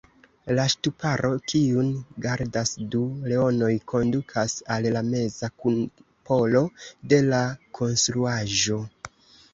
La ŝtuparo, kiun gardas du leonoj, kondukas al la meza kupolo de la konstruaĵo.